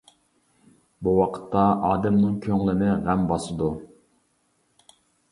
بۇ ۋاقىتتا ئادەمنىڭ كۆڭلىنى غەم باسىدۇ.